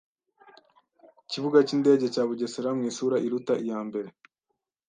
Ikibuga cy’indege cya Bugesera mu isura iruta iya mbere